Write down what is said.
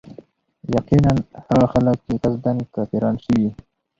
يقيناً هغه خلک چي قصدا كافران شوي